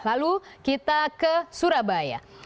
lalu kita ke surabaya